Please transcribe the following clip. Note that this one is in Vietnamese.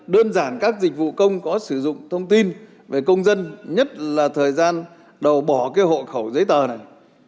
đơn giản các dịch vụ công có sử dụng thông tin về công dân nhất là thời gian đầu bỏ hộ khẩu giấy tờ này